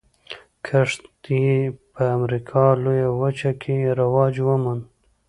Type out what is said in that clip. کښت یې په امریکا لویه وچه کې رواج وموند.